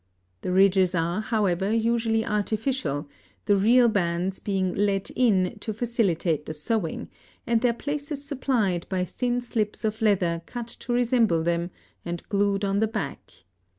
The ridges are, however, usually artificial, the real bands being "let in" to facilitate the sewing, and their places supplied by thin slips of leather cut to resemble them and glued on the back.